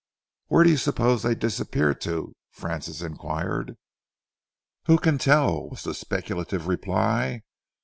"Where do you suppose they disappear to?" Francis enquired. "Who can tell?" was the speculative reply.